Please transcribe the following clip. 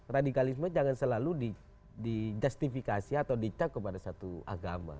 radikalisme jangan selalu dijustifikasi atau dicat kepada satu agama